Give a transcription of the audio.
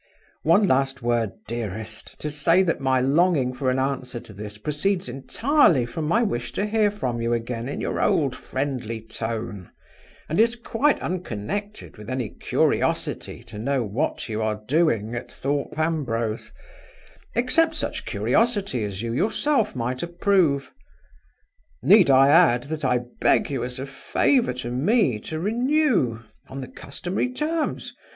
One last word, dearest, to say that my longing for an answer to this proceeds entirely from my wish to hear from you again in your old friendly tone, and is quite unconnected with any curiosity to know what you are doing at Thorpe Ambrose except such curiosity as you yourself might approve. Need I add that I beg you as a favor to me to renew, on the customary terms?